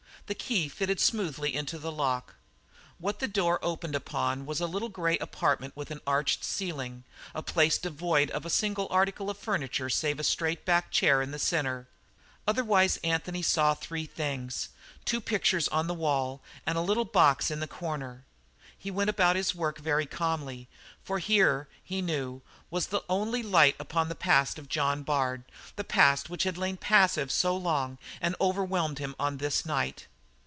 The key fitted smoothly into the lock. What the door opened upon was a little grey apartment with an arched ceiling, a place devoid of a single article of furniture save a straight backed chair in the centre. Otherwise Anthony saw three things two pictures on the wall and a little box in the corner. He went about his work very calmly, for here, he knew, was the only light upon the past of John Bard, that past which had lain passive so long and overwhelmed him on this night.